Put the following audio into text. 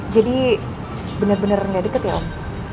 jadi bener bener gak deket ya om